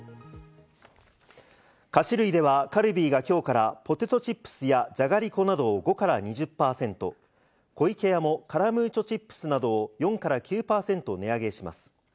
菓子類ではカルビーが今日からポテトチップスや、じゃがりこなどを５から２０％、湖池屋もカラムーチョチップスなどを４から９％値上げします。